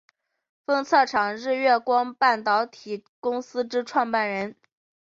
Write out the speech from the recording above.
封测厂日月光半导体公司之创办人。